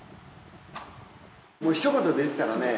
もう一言で言ったらね